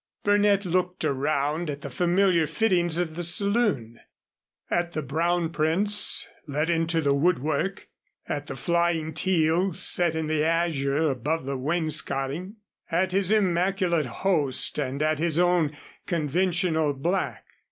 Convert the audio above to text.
Burnett looked around at the familiar fittings of the saloon, at the Braun prints let into the woodwork, at the flying teal set in the azure above the wainscoting, at his immaculate host and at his own conventional black.